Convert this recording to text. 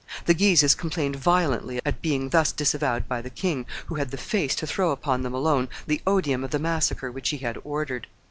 The Guises complained violently at being thus disavowed by the king, who had the face to throw upon them alone the odium of the massacre which he had ordered.